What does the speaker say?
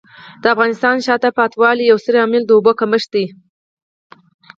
د افغانستان د شاته پاتې والي یو ستر عامل د اوبو کمښت دی.